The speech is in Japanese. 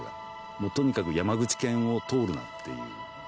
もうとにかく「山口県を通るな」っていう。